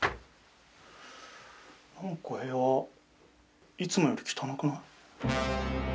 なんか部屋いつもより汚くない？